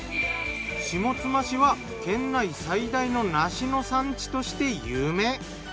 下妻市は県内最大の梨の産地として有名。